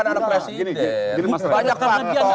ini bukan karena anak presiden